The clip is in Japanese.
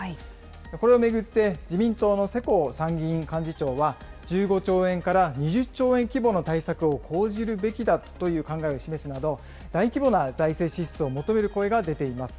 これを巡って自民党の世耕参議院幹事長は、１５兆円から２０兆円規模の対策を講じるべきだという考えを示すなど、大規模な財政支出を求める声が出ています。